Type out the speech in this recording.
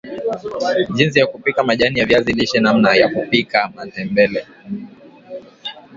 jinsi ya kupika majani ya viazi lishe namna ya kupika matembele